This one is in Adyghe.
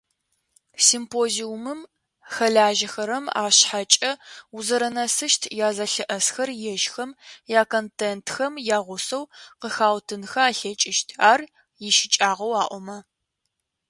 Симпозиумым хэлажьэхэрэм ашъхьэкӏэ узэранэсыщт язэлъыӏэсхэр ежьхэм яконтентхэм ягъусэу къыхаутынхэ алъэкӏыщт, ар ищыкӏагъэу аӏомэ.